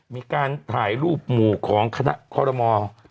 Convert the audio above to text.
มีการถ่ายรูปหมู่ของคณะคอรมอล์